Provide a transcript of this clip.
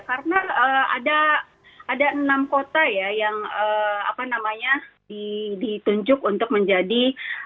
karena ada enam kota yang ditunjuk untuk menjadi